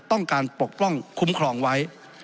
ต้องการปกป้องคุ้มครองไว้